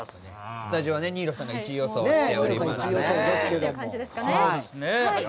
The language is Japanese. スタジオ、新納さんが１位予想しておりますね。